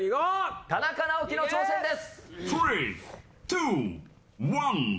田中直樹の挑戦です！